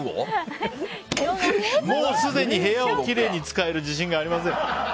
もうすでに部屋をきれいに使える自信がありません。